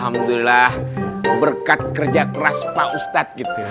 alhamdulillah berkat kerja keras pak ustadz gitu ya